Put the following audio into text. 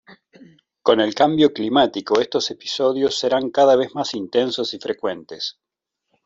con el cambio climático estos episodios serán cada vez más intensos y frecuentes